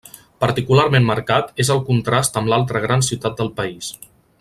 Particularment marcat és el contrast amb l'altra gran ciutat del país: